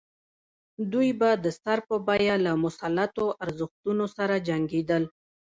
دوی به د سر په بیه له مسلطو ارزښتونو سره جنګېدل.